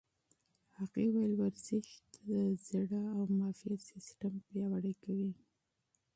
هغې وویل ورزش د زړه او معافیت سیستم پیاوړتیا کوي.